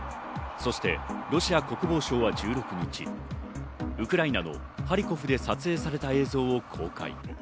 そしてロシア国防省は１６日、ウクライナのハリコフで撮影された映像を公開。